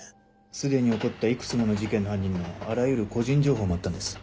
すでに起こったいくつもの事件の犯人のあらゆる個人情報もあったんです。